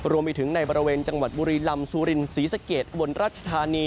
รวมไปถึงในบริเวณจังหวัดบุรีลำซูรินศรีสะเกดอุบลรัชธานี